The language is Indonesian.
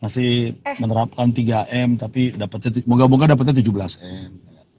masih menerapkan tiga m tapi moga moga dapatnya tujuh belas m